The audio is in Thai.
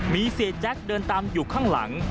มีเสียแจ๊คเดินตามอยู่ข้างหลัง